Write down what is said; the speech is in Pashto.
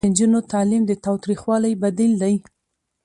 د نجونو تعلیم د تاوتریخوالي بدیل دی.